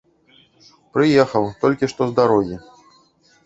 Прыехаў, толькі што з дарогі.